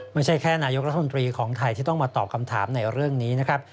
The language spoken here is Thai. ไม่ใช่แค่นายกรัฐมนตรีของไทยที่ต้องมาตอบคำถามในเรื่องนี้นะครับ